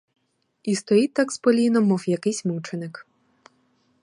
І стоїть так з поліном, мов якийсь мученик!